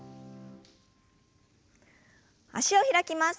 脚を開きます。